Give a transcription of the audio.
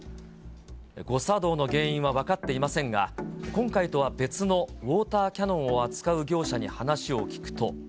誤作動の原因は分かっていませんが、今回とは別のウォーターキャノンを扱う業者に話を聞くと。